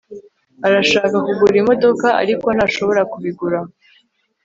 Arashaka kugura imodoka ariko ntashobora kubigura